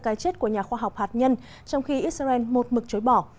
cái chết của nhà khoa học hạt nhân trong khi israel một mực chối bỏ